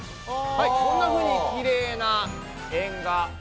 はいこんなふうにきれいな円が。